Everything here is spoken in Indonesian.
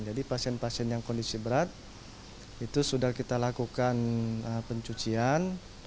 jadi pasien pasien yang kondisi berat itu sudah kita lakukan pencucian